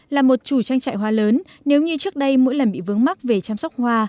là một chủ trang trại hoa lớn nếu như trước đây mỗi lần bị vướng mắt về chăm sóc hoa